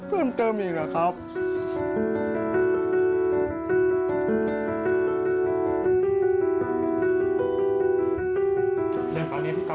แล้วพักนี้ต้องขายที่ไหนบ้าง